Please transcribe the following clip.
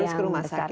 harus ke rumah sakit